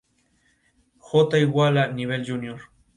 Singles: "Corre González", "La Primavera", "Sabes mi numero?